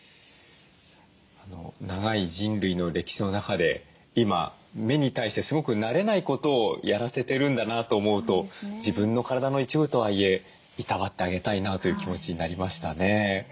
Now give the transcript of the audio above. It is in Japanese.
長い人類の歴史の中で今目に対してすごく慣れないことをやらせてるんだなと思うと自分の体の一部とはいえいたわってあげたいなという気持ちになりましたね。